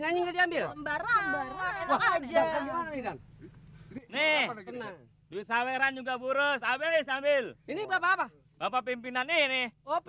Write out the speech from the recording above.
jangan pergi sama aku